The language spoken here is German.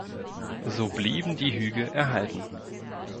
So blieben die Hügel erhalten.